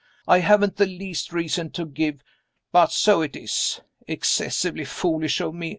I haven't the least reason to give, but so it is. Excessively foolish of me.